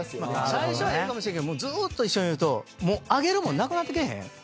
最初はええかもしれんけどずーっと一緒にいるともうあげるもんなくなってけえへん？